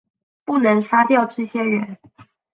不能杀掉这些人